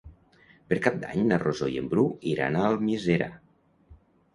Per Cap d'Any na Rosó i en Bru iran a Almiserà.